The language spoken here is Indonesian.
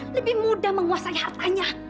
lebih mudah menguasai hartanya